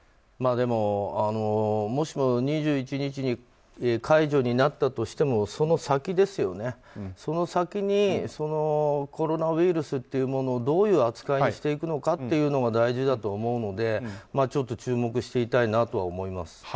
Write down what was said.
でも、もしも２１日に解除になったとしてもその先にコロナウイルスというものをどういう扱いにしていくのかが大事だと思うのでちょっと注目していたいなとは思います。